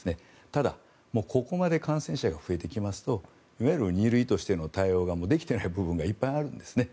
ただ、ここまで感染者が増えてきますといわゆる２類としての対応ができていない部分がいっぱいあるんですね。